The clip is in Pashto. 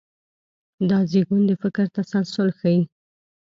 دا زېږون د فکر تسلسل ښيي.